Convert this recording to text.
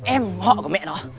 em họ của mẹ nó